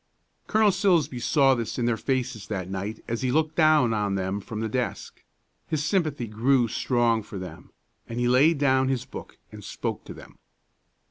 Colonel Silsbee saw this in their faces that night as he looked down on them from the desk; his sympathy grew strong for them, and he laid down his book and spoke to them.